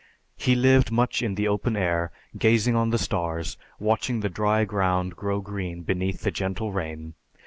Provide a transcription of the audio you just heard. He lived much in the open air, gazing on the stars, watching the dry ground grow green beneath the gentle rain.